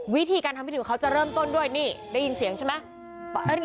วิธีการทำพิธีของเขาจะเริ่มต้นด้วยนี่ได้ยินเสียงใช่ไหม